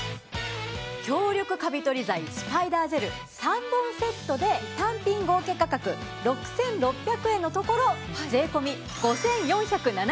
強力カビ取り剤スパイダージェル３本セットで単品合計価格６６００円のところ税込５４７８円です。